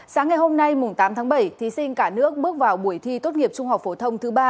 sáng ngày hôm nay tám tháng bảy thí sinh cả nước bước vào buổi thi tốt nghiệp trung học phổ thông thứ ba